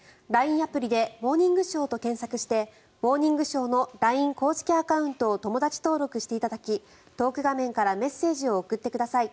アプリで「モーニングショー」と検索をして「モーニングショー」のＬＩＮＥ公式アカウントを友だち登録していただきトーク画面からメッセージを送ってください。